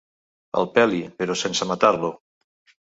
El peli, però sense matar-lo.